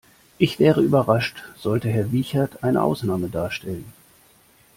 Ich wäre überrascht, sollte Herr Wiechert eine Ausnahme darstellen.